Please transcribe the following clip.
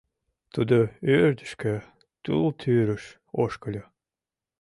Тудо ӧрдыжкӧ, тул тӱрыш, ошкыльо.